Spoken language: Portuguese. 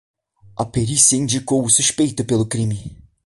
A perícia indicou o suspeito pelo crime.